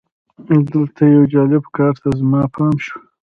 دلته یو جالب کار ته زما پام شو.